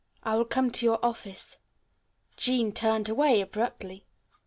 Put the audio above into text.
I will come to your office." Jean turned away abruptly.